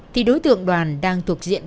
thì đối tượng đoàn đang thuộc diện